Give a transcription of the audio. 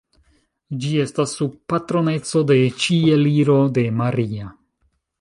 Ĝi estas sub patroneco de Ĉieliro de Maria.